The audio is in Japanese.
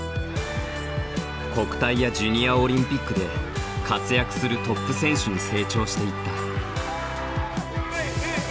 国体やジュニアオリンピックで活躍するトップ選手に成長していった。